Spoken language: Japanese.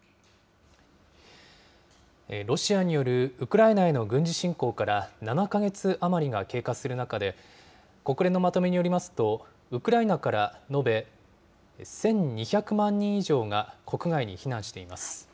ロシアによるウクライナへの軍事侵攻から７か月余りが経過する中で、国連のまとめによりますと、ウクライナから延べ１２００万人以上が国外に避難しています。